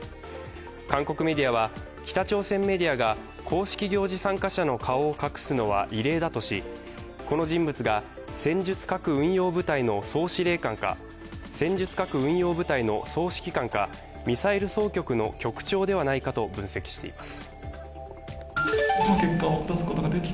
韓国メディアは北朝鮮メディアが公式行事参加者の顔を隠すのは異例だとしこの人物が戦術核運用部隊の総指揮官かミサイル総局の局長ではないかと分析しています。